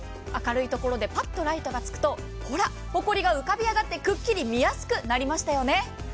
明るいところでパッとライトがつくと、ほら、ほこりが浮かび上がってくっきり見やすくなりましたよね。